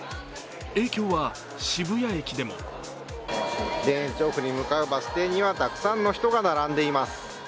影響は渋谷駅でも田園調布に向かうバス停にはたくさんの人が並んでいます。